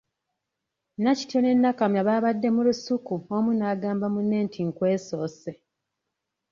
Nakityo ne Nakamya baabadde mu lusuku omu n'agamba munne nti ‘nkwesoose'.